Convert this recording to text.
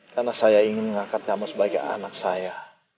karena saya ingin mengangkat kamu sebagai anak saya